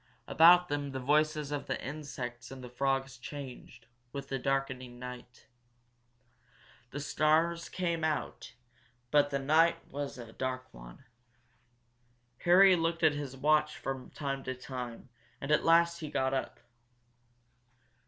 About them the voices of the insects and frogs changed, with the darkening night. The stars came out, but the night was a dark one. Harry looked at his watch from time to time and at last he got up.